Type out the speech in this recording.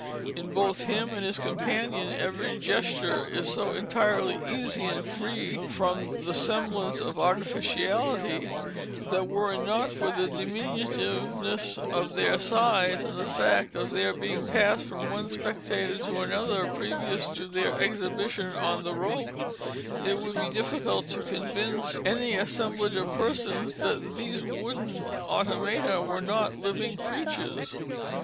In both him and his companion, every gesture is so entirely easy, and free from the semblance of artificiality, that, were it not for the diminutiveness of their size, and the fact of their being passed from one spectator to another previous to their exhibition on the rope, it would be difficult to convince any assemblage of persons that these wooden automata were not living creatures.